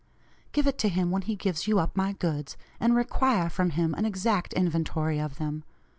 Give it to him when he gives you up my goods, and require from him an exact inventory of them.